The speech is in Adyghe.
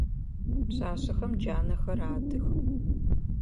Пшъашъэхэм джанэхэр адых.